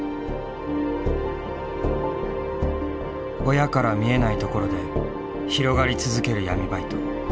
親から見えないところで広がり続ける闇バイト。